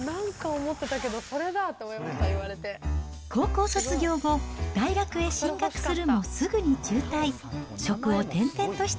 高校卒業後、大学へ進学するもすぐに中退。